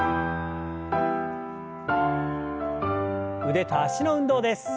腕と脚の運動です。